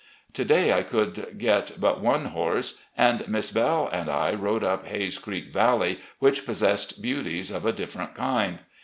To day I could get but one horse, and Miss Belle and I rode up Hays Creek Valley, which possessed beauties of a different Idnd.